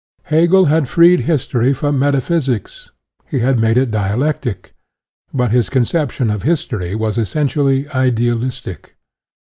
Hegel had freed history; from metaphysics he had made it dialec tic ; but his conception of history was essen tially idealistic.